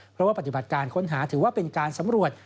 เพราะว่าปฏิบัติการค้นหาถือว่าเป็นการสำรวจ